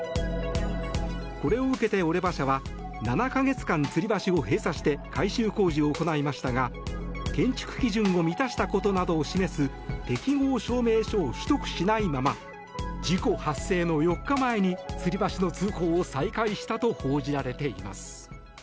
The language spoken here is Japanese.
これを受けてオレバ社は７か月間つり橋を閉鎖して改修工事を行いましたが建築基準を満たしたことなどを示す適合証明書を取得しないまま事故発生の４日前につり橋の通行を再開したと報じられています。